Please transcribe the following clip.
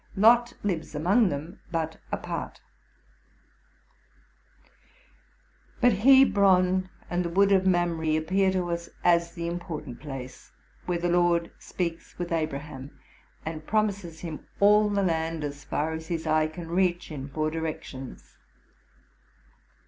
Lot lives among them, but apart. But Hebron and the wood of. Mamre appear to us as the important place where the Lord speaks with Abraham, and promises him all the land as far as his eye can reach in four directions.